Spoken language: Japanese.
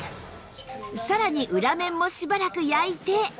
さらに裏面もしばらく焼いて